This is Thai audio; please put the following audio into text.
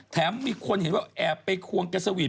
แถมมีคนเห็นว่าแอบไปควงกันสวีท